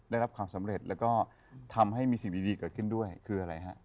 ได้รับความสำเร็จแล้วก็ทำให้มีสิ่งดีเกิดขึ้นด้วยคืออะไรฮะ